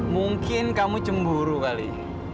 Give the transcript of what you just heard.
mungkin kamu cemburu kali